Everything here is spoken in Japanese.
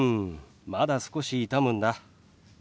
まだ少し痛むんだ。